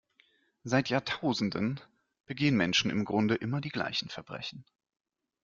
Seit Jahrtausenden begehen Menschen im Grunde immer die gleichen Verbrechen.